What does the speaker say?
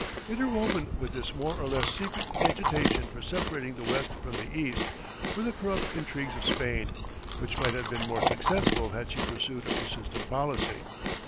Interwoven with this more or less secret agitation for separating the West from the East were the corrupt intrigues of Spain, which might have been more successful had she pursued a persistent policy.